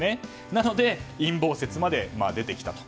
なので陰謀説まで出てきたと。